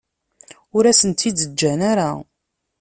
Ur asen-tt-id-ǧǧan ara.